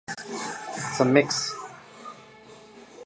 It's a mix!